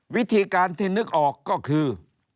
วิธีการที่นึกออกก็คือ